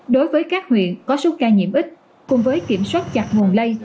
đối với các huyện có số ca nhiễm ít cùng với kiểm soát chặt nguồn lây